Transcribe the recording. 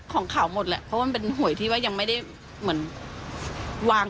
ของเขาหมดแหละเพราะว่ามันเป็นหวยที่ว่ายังไม่ได้เหมือนวาง